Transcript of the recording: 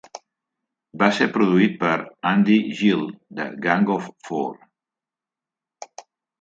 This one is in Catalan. Va ser produït per Andy Gill de Gang of Four.